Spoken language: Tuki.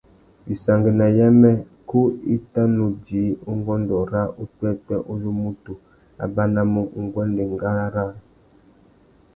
Wissangüena yamê, kú i tà nu djï ungôndô râ upwêpwê uzu mutu a banamú nguêndê ngárá râā.